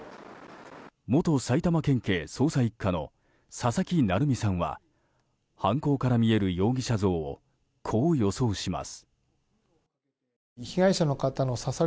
元埼玉県警捜査１課の佐々木成三さんは犯行から見える容疑者像をこう予想します。